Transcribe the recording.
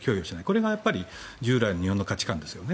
これが従来の日本の価値観ですよね。